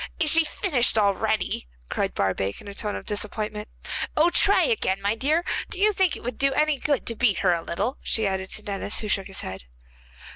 'Is she finished already?' cried Barbaik, in a tone of disappointment. 'Oh, try again, my dear. Do you think it would do any good to beat her a little?' she added to Denis, who shook his head.